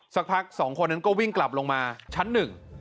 สักพักสองคนนั้นก็วิ่งกลับลงมาชั้นหนึ่ง